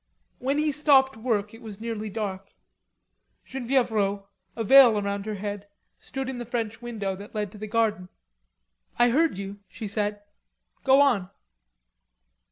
When he stopped work it was nearly dark. Genevieve Rod, a veil round her head, stood in the French window that led to the garden. "I heard you," she said. "Go on."